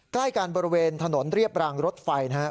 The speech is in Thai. ใกล้กันบริเวณถนนเรียบรางรถไฟนะครับ